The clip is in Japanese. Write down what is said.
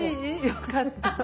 よかった。